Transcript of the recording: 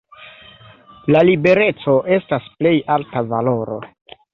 La libereco estas plej alta valoro.